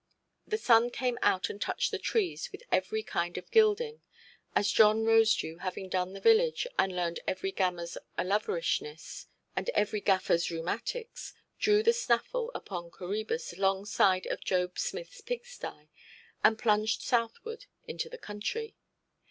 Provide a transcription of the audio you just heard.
The sun came out and touched the trees with every kind of gilding, as John Rosedew having done the village, and learned every gammerʼs alloverishness, and every gafferʼs rheumatics, drew the snaffle upon Coræbus longside of Job Smithʼs pigsty, and plunged southward into the country.